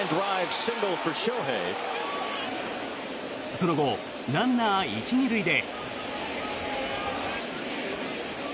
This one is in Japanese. その後ランナー１・２塁で。